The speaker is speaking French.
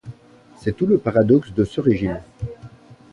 C’est tout le paradoxe de ce régime.